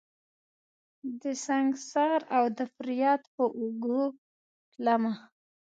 دسنګسار اودفریاد په اوږو تلمه